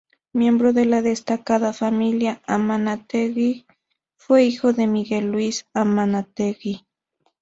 Miembro de la destacada familia Amunátegui, fue hijo de Miguel Luis Amunátegui.